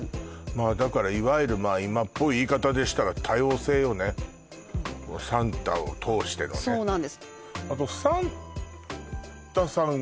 まあだからいわゆる今っぽい言い方でしたらサンタを通してのねそうなんです